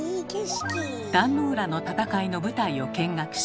壇ノ浦の戦いの舞台を見学し。